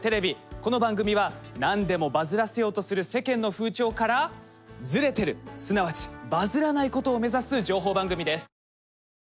この番組は何でもバズらせようとする世間の風潮からズレてるすなわちバズらないことを目指す情報番組です。